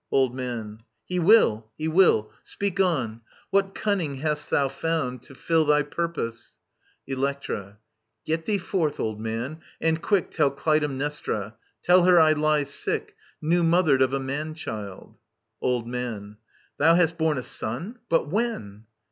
Old Man. He will, he wiU I Speak on. What cunning hast thou found to fill Thy purpose ? Electra. Get thee forth, Old Man, and quick Tell Clytemnestra ... tell her I lie sick, New mothered of a man child. Old Man. Thou hast borne A son ! But when